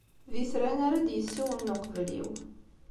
D itran ara d-yessiwlen uqbel-iw.